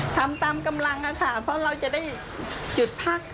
ทำตามกำลังค่ะเพราะเราจะได้จุดพัก